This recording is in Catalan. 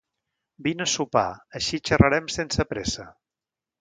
Vine per a sopar, així xarrarem sense pressa!